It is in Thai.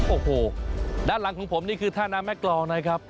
โอ้โหด้านหลังของผมนี่คือท่าน้ำแม่กรองนะครับ